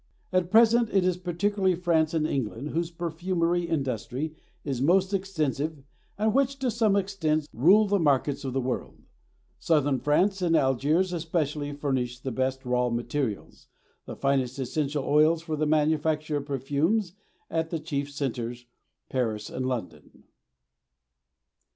At present it is particularly France and England whose perfumery industry is most extensive and which to some extent rule the markets of the world; southern France and Algiers especially furnish the best raw materials, the finest essential oils for the manufacture of perfumes at the chief centres, Paris and London.